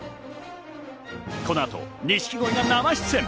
この後、錦鯉が生出演。